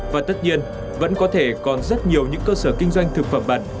và tất nhiên vẫn có thể còn rất nhiều những cơ sở kinh doanh thực phẩm bẩn